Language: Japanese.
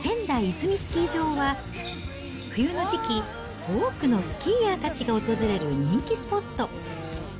ここ、スプリングバレー仙台泉スキー場は、冬の時期、多くのスキーヤーたちが訪れる人気スポット。